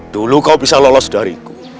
dulu kau bisa lolos dariku